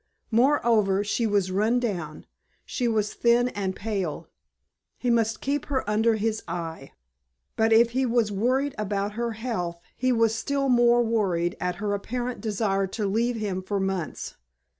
Moreover, she was run down, she was thin and pale, he must keep her under his eye. But if he was worried about her health he was still more worried at her apparent desire to leave him for months.